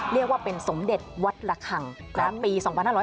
เรียกว่าเป็นสมเด็จวัตระคังไมล์ปี๒๕๓๗